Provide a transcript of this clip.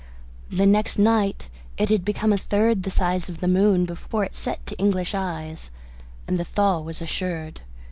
The next night it had become a third the size of the moon before it set to English eyes, and the thaw was assured.